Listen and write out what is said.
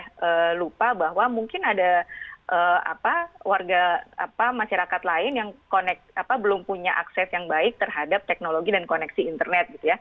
saya lupa bahwa mungkin ada warga masyarakat lain yang belum punya akses yang baik terhadap teknologi dan koneksi internet